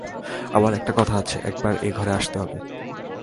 আমার একটা কথা আছে, একবার এ ঘরে আসতে হবে।